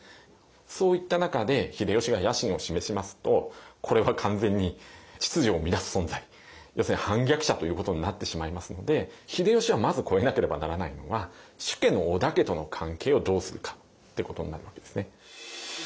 そういった中で秀吉が野心を示しますとこれは完全に秩序を乱す存在要するに反逆者ということになってしまいますので秀吉はまず越えなければならないのは主家の織田家との関係をどうするかってことになるわけですね。